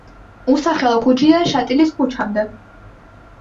უსახელო ქუჩიდან შატილის ქუჩამდე.